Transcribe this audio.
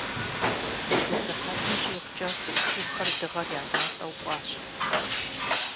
Зы сыхьэтым щӀигъукӀэ шухэр дыгъэр я натӀэу кӀуащ.